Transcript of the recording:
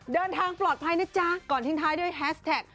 เดินทางปลอดภัยนะจ๊ะก่อนทิ้งท้ายด้วยแฮสแท็ก